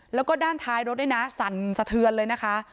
แล้วก็ด้านท้ายรถด้วยนะสั่นสะเทือนเลยนะคะ